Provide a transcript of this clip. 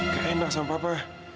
kak enak sama papa